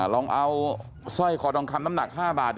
ลองเอาสร้อยคอทองคำน้ำหนัก๕บาท